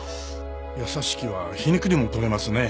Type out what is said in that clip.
「優しき」は皮肉にもとれますね。